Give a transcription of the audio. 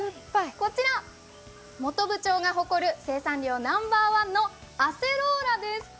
こちら、本部町が誇る生産量ナンバーワンのアセローラです。